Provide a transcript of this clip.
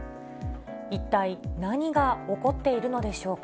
一体何が起こっているのでしょうか。